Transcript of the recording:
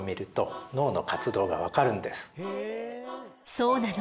そうなの。